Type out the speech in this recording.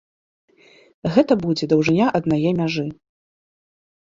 Гэта будзе даўжыня аднае мяжы.